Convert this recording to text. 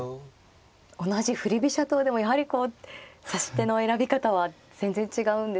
同じ振り飛車党でもやはりこう指し手の選び方は全然違うんですね。